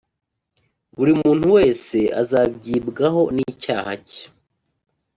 Buri muntu wese azagibwaho n’icyaha cye